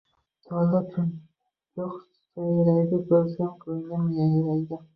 Tolda chumchuq sayraydi, ko‘rsam ko‘nglim yayraydi.